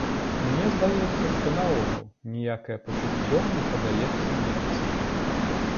Мне здаецца, што наогул ніякае пачуццё не паддаецца мерцы.